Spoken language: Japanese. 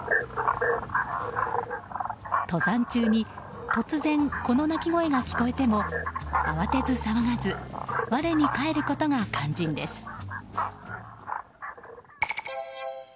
登山中に突然この泣き声が聞こえても慌てず騒がず我に返ることが肝心です。